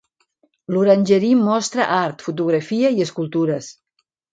L'Orangerie mostra art, fotografia i escultures.